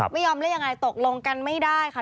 ไม่ยอมได้ยังไงตกลงกันไม่ได้ค่ะ